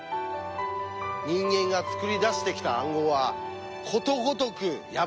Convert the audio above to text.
人間が作り出してきた暗号はことごとく破られてきたということを。